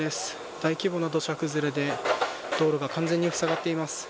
大規模な土砂崩れで道路が完全にふさがれています。